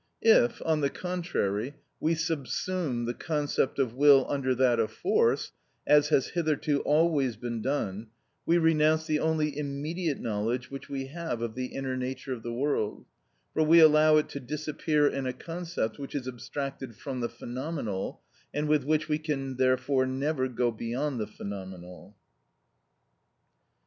If, on the contrary, we subsume the concept of will under that of force, as has hitherto always been done, we renounce the only immediate knowledge which we have of the inner nature of the world, for we allow it to disappear in a concept which is abstracted from the phenomenal, and with which we can therefore never go beyond the phenomenal.